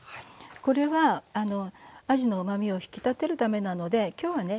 これはあじのうまみを引き立てるためなのできょうはね